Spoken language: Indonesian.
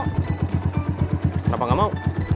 kenapa gak mau